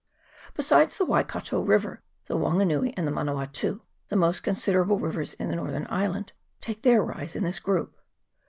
Besides the Waikato river, the Wanganui and the Manawatu, the most considerable rivers in the northern island, take their rise in this group.